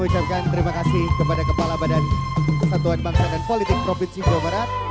ucapkan terima kasih kepada kepala badan kesatuan bangsa dan politik provinsi jawa barat